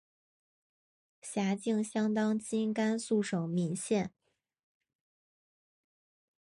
辖境相当今甘肃省岷县。